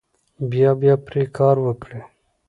بیا بیا پرې کار وکړئ.